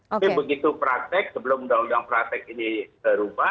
tapi begitu praktek sebelum undang undang praktek ini berubah